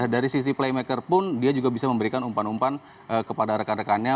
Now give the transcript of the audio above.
dari sisi playmaker pun dia juga bisa memberikan umpan umpan kepada rekan rekannya